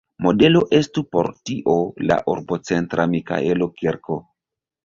Modelo estu por tio la urbocentra Mikaelo-kirko.